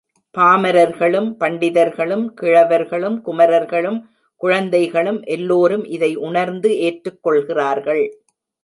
பாமரர்களும், பண்டிதர்களும், கிழவர்களும், குமரர்களும், குழந்தைகளும் எல்லோரும் இதை உணர்ந்து ஏற்றுக் கொள்கிறார்கள்.